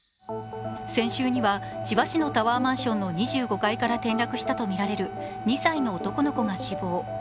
先週には、千葉市のタワーマンションの２５階から転落したとみられる２歳の男の子が死亡。